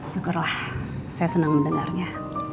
syukurlah saya senang mendengarnya